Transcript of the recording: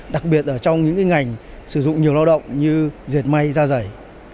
đặc biệt ở trong những ngành sử dụng nhiều lao động như diệt may da dày